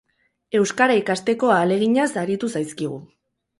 Euskara ikasteko ahaleginaz aritu zaizkigu.